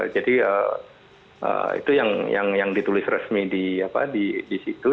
jadi itu yang ditulis resmi di situ